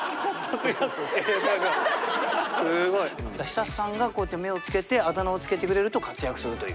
寿人さんがこうやって目をつけてあだ名を付けてくれると活躍するという。